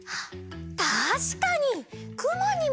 たしかに！